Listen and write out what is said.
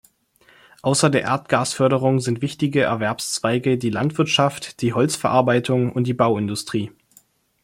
Außer der Erdgasförderung sind wichtige Erwerbszweige die Landwirtschaft, die Holzverarbeitung und die Bauindustrie.